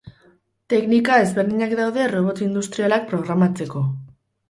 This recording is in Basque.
Teknika ezberdinak daude robot industrialak programatzeko.